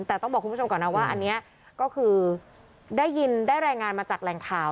แต่ต้องบอกคุณผู้ชมก่อนนะว่าอันนี้ก็คือได้ยินได้รายงานมาจากแหล่งข่าว